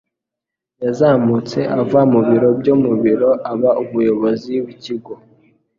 Yazamutse ava mu biro byo mu biro aba umuyobozi w'ikigo.